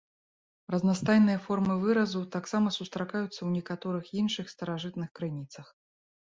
Разнастайныя формы выразу таксама сустракаюцца ў некаторых іншых старажытных крыніцах.